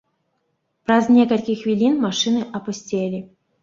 Праз некалькі хвілін машыны апусцелі.